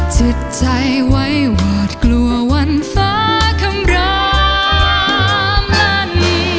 จิตใจไหวหวาดกลัววันฟ้าขำรามลั่น